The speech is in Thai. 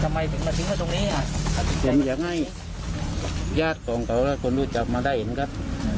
ทำไมถึงมาทิ้งไว้ตรงนี้ผมอยากให้ญาติของเขาและคนรู้จักมาได้เห็นครับ